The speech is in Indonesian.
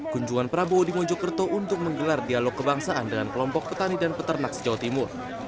kunjungan prabowo di mojokerto untuk menggelar dialog kebangsaan dengan kelompok petani dan peternak sejauh timur